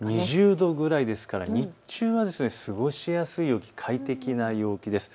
２０度くらいですから日中は過ごしやすい陽気、快適な陽気です。